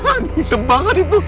hitam banget itu